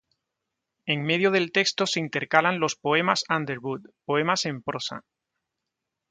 En medio del texto se intercalan los "Poemas Underwood", poemas en prosa.